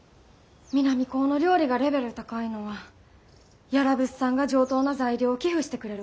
南高の料理がレベル高いのは屋良物産が上等な材料を寄付してくれるからって。